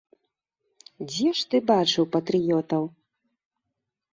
Дзе ж ты бачыў патрыётаў?